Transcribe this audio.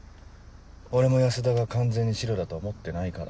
俺も安田が完全にシロだとは思ってないから。